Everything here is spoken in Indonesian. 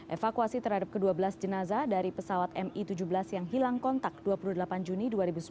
evakuasi terhadap ke dua belas jenazah dari pesawat mi tujuh belas yang hilang kontak dua puluh delapan juni dua ribu sembilan belas